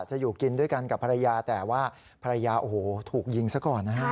อยู่กินด้วยกันกับภรรยาแต่ว่าภรรยาโอ้โหถูกยิงซะก่อนนะฮะ